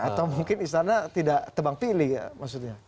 atau mungkin istana tidak tebang pilih maksudnya